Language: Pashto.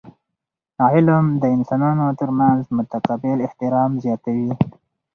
علم د انسانانو ترمنځ متقابل احترام زیاتوي.